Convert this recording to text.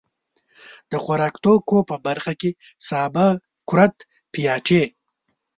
د خوراکتوکو په برخه کې سابه، کورت، پياټي.